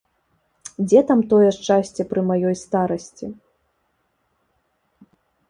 Дзе там тое шчасце пры маёй старасці?